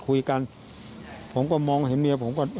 ลูกนั่นแหละที่เป็นคนผิดที่ทำแบบนี้